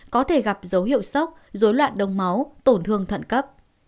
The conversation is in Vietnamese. có thể gặp dấu hiệu sốc dối loạn đông máu tổn thương thận cấp